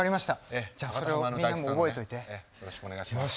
ええよろしくお願いします。